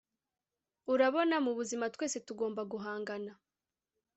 urabona, mubuzima, twese tugomba guhangana